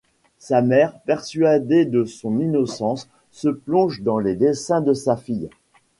Sa mère, persuadée de son innocence, se plonge dans les dessins de sa fille.